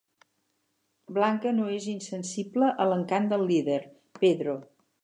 Blanca no és insensible a l'encant del líder, Pedro.